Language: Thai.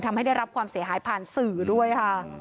ได้รับความเสียหายผ่านสื่อด้วยค่ะ